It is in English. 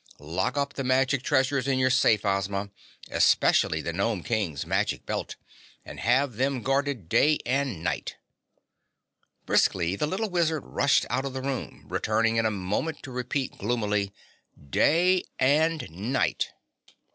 Lock up the magic treasures in your safe, Ozma, especially the Gnome King's magic belt, and have them guarded day and night." Briskly the little Wizard rushed out of the room, returning in a moment to repeat gloomily, "DAY and NIGHT!"